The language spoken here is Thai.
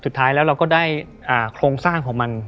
สุดท้ายแล้วเราก็ได้โครงสร้างของมัน